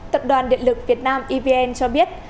tập đoàn điện lực việt nam evn cho biết